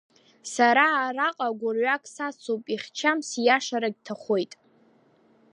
Сара араҟа гәырҩак сацуп, ихьчам сиашарагь ҭахоит.